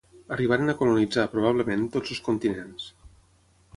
Arribaren a colonitzar, probablement, tots els continents.